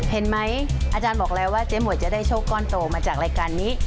เห็นไหมอาจารย์บอกแล้วว่าเจ๊หวยจะได้โชคก้อนโตมาจากรายการนี้